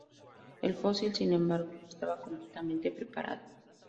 El fósil, sin embargo, no estaba completamente preparado.